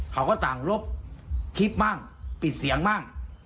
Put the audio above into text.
เขาก็สั่งลบคลิปบ้างปิดเสียงบ้าง